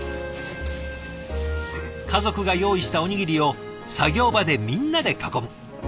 家族が用意したおにぎりを作業場でみんなで囲む。